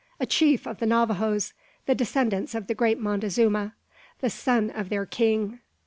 A chief of the Navajoes, the descendants of the great Montezuma; the son of their king!"